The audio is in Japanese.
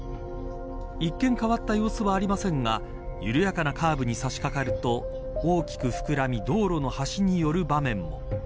一見、変わった様子はありませんが緩やかなカーブにさしかかると大きく膨らみ道路の端に寄る場面も。